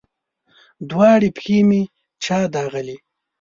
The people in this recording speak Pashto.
دواړې پښې مې چا داغلي